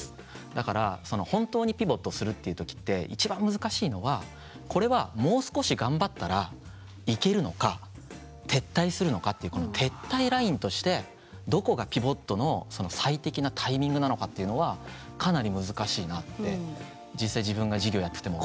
だから本当にピボットするっていう時って一番難しいのはこれはもう少し頑張ったらいけるのか撤退するのかっていうこの撤退ラインとしてどこがピボットの最適なタイミングなのかっていうのはかなり難しいなって実際自分が事業やってても。